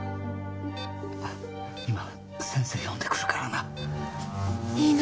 今先生呼んでくるからな。いいの。